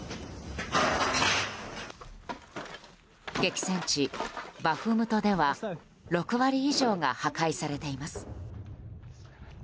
激戦地バフムトでは６割以上が破壊されています。